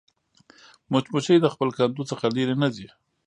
مچمچۍ د خپل کندو څخه لیرې نه ځي